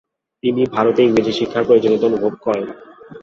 তিনি ভারতে ইংরেজি শিক্ষার প্রয়োজনীয়তা অনুভব করেন।